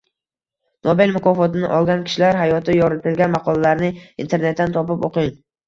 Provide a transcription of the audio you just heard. Nobel mukofotini olgan kishilar hayoti yoritilgan maqolalarni internetdan topib o’qing